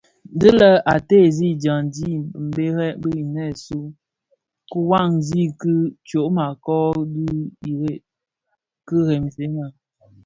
Dhi lè a teezi dyaňdi mbèrèn bi inèsun kiwasi ki tyoma kö dhi kiremzèna.